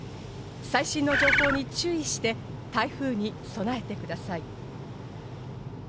最新の情報に注意して台風に備えてください。